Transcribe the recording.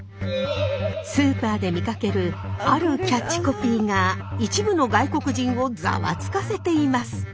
スーパーで見かけるあるキャッチコピーが一部の外国人をざわつかせています。